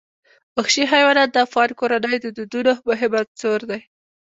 وحشي حیوانات د افغان کورنیو د دودونو مهم عنصر دی.